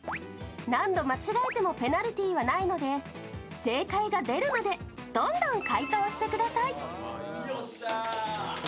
何度間違えてもペナルティーはないので、正解が出るまでどんどん回答してください。